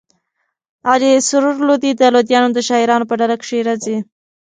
علي سرور لودي د لودیانو د شاعرانو په ډله کښي راځي.